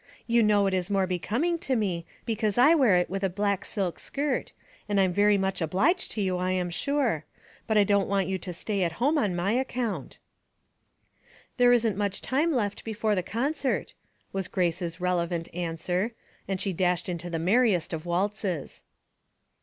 You know it is more becoming to me, because I wear it with a black silk skirt ; and I'm very much obliged to you, I am sure ; but I don't want you to stay at home on my ac(^ount." " There isn't much time left before the con 3ert," was Grace's relevant answer, and she dashed into the merriest of waltzes.